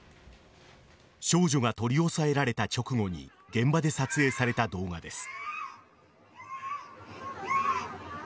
少女が取り押さえられた直後に現場で撮影された動画です。